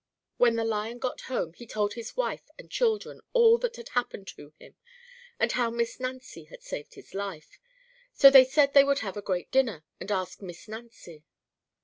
When Lion got home he told his wife and children all that happened to him, and how Miss Nancy had saved his life, so they said they would have a great dinner, and ask Miss Nancy.